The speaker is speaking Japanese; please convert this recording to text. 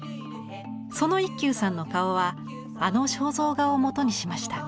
その一休さんの顔はあの肖像画をもとにしました。